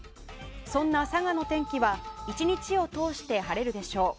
そんな佐賀の天気は１日を通して晴れるでしょう。